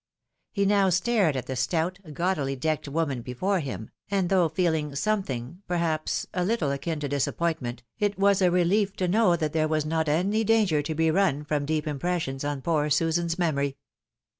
He now stared at tiie stout, gaudily decked woman before him, and though feehng something, perhaps, a little akin to disappoint ment, it was a relief to know that there was not any danger to be run from deep impressions on poor Susan's memory.